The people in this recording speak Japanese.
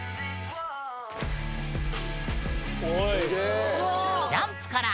おい。